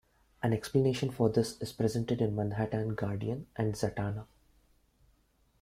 An explanation for this is presented in "Manhattan Guardian" and "Zatanna".